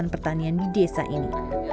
pertanian di desa ini